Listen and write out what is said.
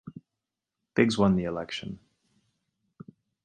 Biggs won the election.